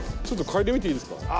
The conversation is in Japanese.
ちょっと嗅いでみていいですか？